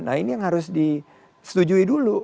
nah ini yang harus disetujui dulu